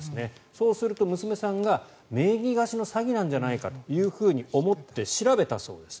そうすると娘さんが名義貸しの詐欺なんじゃないかと思って調べたそうです。